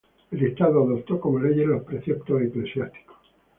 El Estado adoptó como leyes los preceptos eclesiásticos.